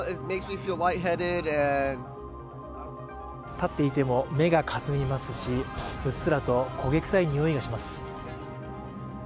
立っていても目がかすみますし、うっすらと焦げ臭いにおいがします。